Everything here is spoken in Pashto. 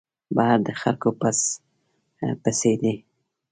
بهر د خلکو پس پسي دی.